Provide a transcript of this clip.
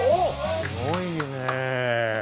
すごいね！